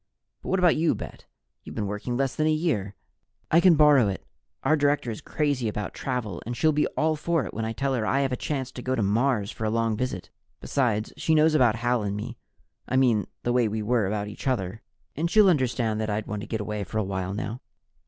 But what about you, Bet? You've been working less than a year." "I can borrow it. Our director is crazy about travel and she'll be all for it when I tell her I have a chance to go to Mars for a long visit. Besides, she knows about Hal and me I mean the way we are about each other and she'll understand that I'd want to get away for a while now."